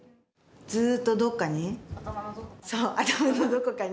ずーっとどっかに。